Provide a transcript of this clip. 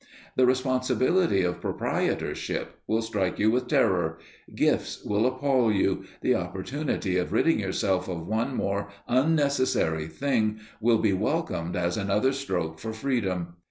The responsibility of proprietorship will strike you with terror, gifts will appal you, the opportunity of ridding yourself of one more unnecessary thing will be welcomed as another stroke for freedom.